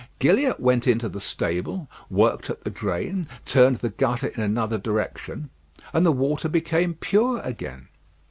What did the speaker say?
Gilliatt went into the stable; worked at the drain; turned the gutter in another direction; and the water became pure again.